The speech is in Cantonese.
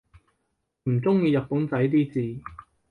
唔中意日本仔啲字